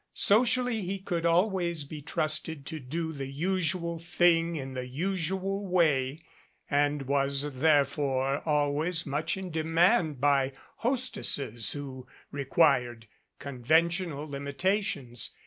Socially he could always be trusted to do the usual thing in the usual way and was therefore always much in demand by hostesses who required conventional limitations.